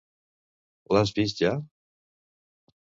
L'has vist ja?